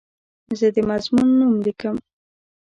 زه د مضمون نوم لیکم.